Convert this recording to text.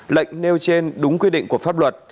lệnh nêu trên đúng quyết định của pháp luật